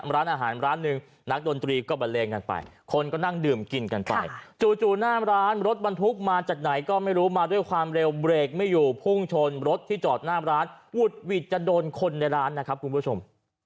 ร้านอาหารร้านหนึ่งนักดนตรีก็บันเลงกันไปคนก็นั่งดื่มกินกันไปจู่หน้าร้านรถบรรทุกมาจากไหนก็ไม่รู้มาด้วยความเร็วเบรกไม่อยู่พุ่งชนรถที่จอดหน้ามร้านอุดหวิดจะโดนคนในร้านนะครับคุณผู้ชม